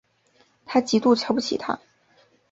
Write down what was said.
她极度瞧不起他